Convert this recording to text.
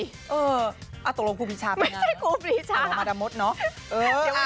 ตรงรมครูพิชาเป็นอย่างไรหรอมาดามมดเนอะไม่ใช่ครูพิชา